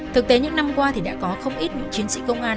thực tế những năm qua thì đã có không ít những chiến sĩ công an